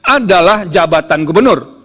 adalah jabatan gubernur